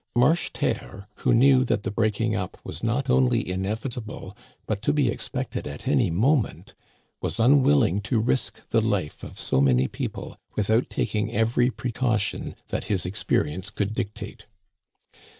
Marcheterre, who knew that the breaking up was not only inevitable, but to be expected at any Digitized by VjOOQIC 6o THE CANADIANS OF OLD. moment, was unwilling to risk the life of so many people without taking every precaution that his experience could dictate.